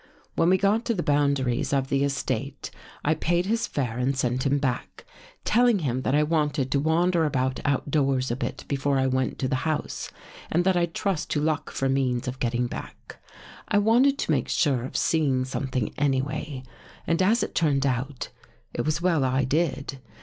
" When we got to the boundaries of the estate, 165 THE GHOST GIRL I paid his fare and sent him back, telling him that I wanted to wander around outdoors a bit before I went to the house and that I'd trust to luck for means of getting back. I wanted to make sure of seeing something anyway. And, as it turned out, it was well I did.